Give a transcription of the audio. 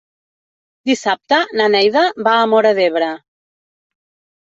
Dissabte na Neida va a Móra d'Ebre.